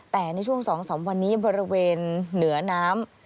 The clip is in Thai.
แต่ในช่วง๒๓วันนี้บริเวณเหนือน้ำ